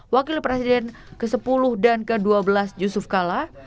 wakil presiden ke sepuluh dan ke dua belas yusuf kala